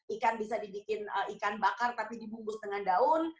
ikan bisa dibikin ikan bakar tapi dibungkus dengan daun